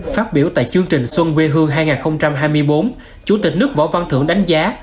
phát biểu tại chương trình xuân quê hương hai nghìn hai mươi bốn chủ tịch nước võ văn thưởng đánh giá